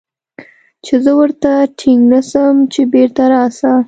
چې زه ورته ټينګ نه سم چې بېرته راسه.